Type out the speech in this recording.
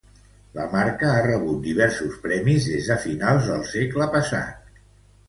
La marca ha rebut diversos premis des de finals del segle passat.